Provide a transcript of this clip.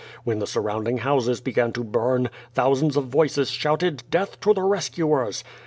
When the surrounding houses began to burn, thousands of voices shouted, "Dentil to the rescuers!"